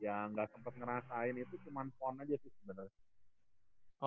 ya nggak sempat ngerasain itu cuma pon aja sih sebenarnya